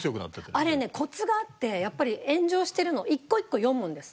あれねコツがあってやっぱり炎上してるの１個１個読むんです。